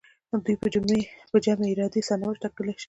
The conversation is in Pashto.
دوی په جمعي ارادې سرنوشت تعیین کولای شي.